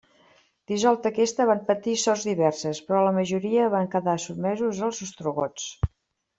Dissolta aquesta, van patir sorts diverses, però la majoria van quedar sotmesos als ostrogots.